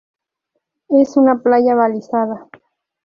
Es una playa balizada.